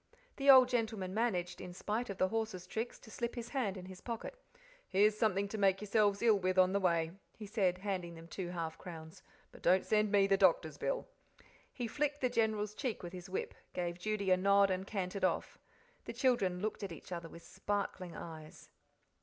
The old gentleman managed, in spite of the horse's tricks, to slip his hand in his pocket. "Here's something to make yourselves ill with on the way," he said, handing them two half crowns; "but don't send me the doctor's bill." He flicked the General's cheek with his whip, gave Judy a nod, and cantered off. The children looked at each other with sparkling eyes.